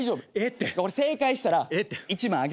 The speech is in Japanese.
正解したら１万あげる。